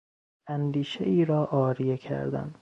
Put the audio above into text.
اندیشهای را عاریه کردن